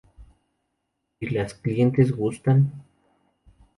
Y las clientes gustan.